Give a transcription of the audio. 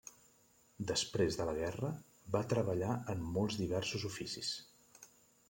Després de la guerra va treballar en molt diversos oficis.